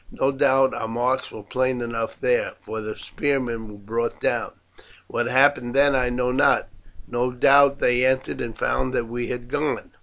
No doubt our marks were plain enough there, for the spearmen were brought down. What happened then I know not; no doubt they entered and found that we had gone.